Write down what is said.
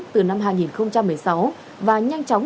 từ năm hai nghìn một mươi sáu và nhanh chóng